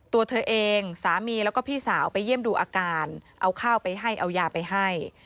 ตัวเธอเองสามีแล้วก็พี่สาวไปเยี่ยมดูอาการเอาข้าวไปให้เอายาไปให้